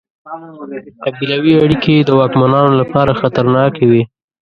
قبیلوي اړیکې یې د واکمنانو لپاره خطرناکې وې.